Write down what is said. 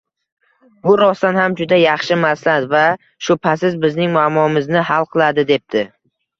— Bu rostdan ham juda yaxshi maslahat va, shubhasiz, bizning muammomizni hal qiladi, — debdi